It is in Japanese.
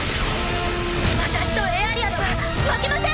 私とエアリアルは負けません！